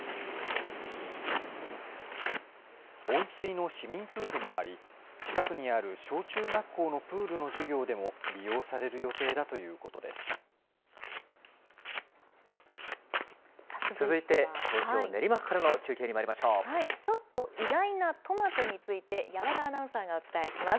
温水の市民プールもあり、近くにある小中学校のプールの授業でも、利用される予定だという続いて、東京・練馬区からのちょっと意外なトマトについて、山田アナウンサーがお伝えします。